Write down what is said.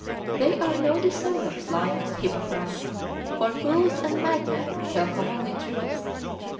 They are no dissemblers, liars, hypocrites, for fools and madmen tell commonly truth.